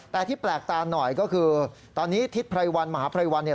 แต่ที่แปลกตาหน่อยก็คือตอนนี้ทิศไพรวันมหาภัยวันเนี่ย